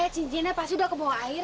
cincinnya pasti udah ke muang air